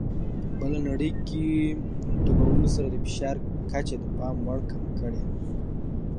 په بله نړۍ کې ډوبولو سره د فشار کچه د پام وړ کمه کړي.